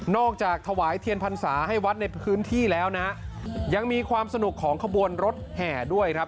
จากถวายเทียนพรรษาให้วัดในพื้นที่แล้วนะยังมีความสนุกของขบวนรถแห่ด้วยครับ